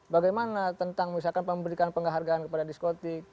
bagaimana tentang misalkan memberikan penghargaan kepada diskotik